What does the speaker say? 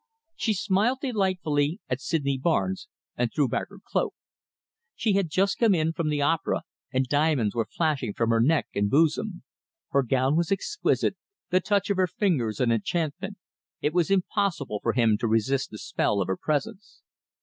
She smiled delightfully at Sydney Barnes, and threw back her cloak. She had just come in from the opera, and diamonds were flashing from her neck and bosom. Her gown was exquisite, the touch of her fingers an enchantment. It was impossible for him to resist the spell of her presence.